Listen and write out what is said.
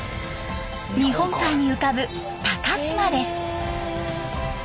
日本海に浮かぶ高島です。